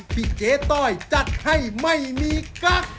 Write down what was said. เจ๊ต้อยจัดให้ไม่มีกั๊ก